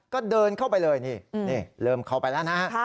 ก็เดินเข้าไปเลยนี่เริ่มเข้าไปแล้วนะฮะ